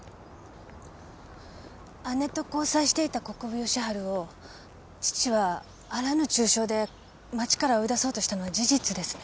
姉と交際していた国府吉春を父はあらぬ中傷で町から追い出そうとしたのは事実ですね？